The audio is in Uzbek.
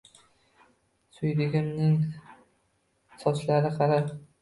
Suydigimning sochlari qora –